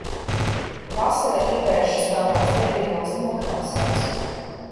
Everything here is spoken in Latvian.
Vasara ievēršas tādās debilās nokrāsās.